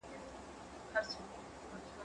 زه به سبا مېوې وخورم!.